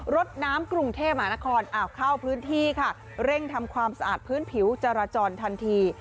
รถน้ำกรุงเทพมหานครเข้าพื้นที่ค่ะเร่งทำความสะอาดพื้นผิวจราจรทันที